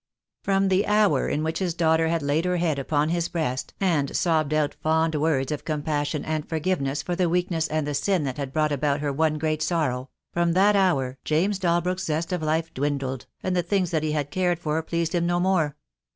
From the hour in which his daughter had laid her head upon his breast, and sobbed out fond words of compassion and forgiveness for the weakness and the sin that had brought about her one great sorrow— from that hour James Dal brook's zest of life dwindled, and the things that he had cared for pleased him no more.